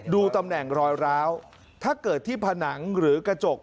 ดูตำแหน่งรอยร้าวถ้าเกิดที่ผนังหรือกระจก